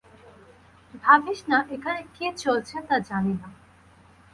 ভাবিস না এখানে কী চলছে তা জানি না।